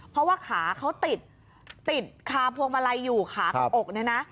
เพราะว่าขาเขาติดติดขาพวงบรรไลอยู่ขากับอกนั้นนะ